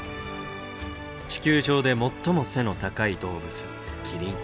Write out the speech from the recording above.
地球上で最も背の高い動物キリン。